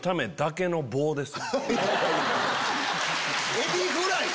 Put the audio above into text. エビフライ！